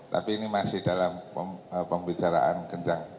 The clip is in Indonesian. tapi ini masih dalam pembicaraan kencang